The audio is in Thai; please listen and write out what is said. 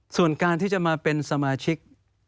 ส่วนการที่จะมาเป็นสมาชิก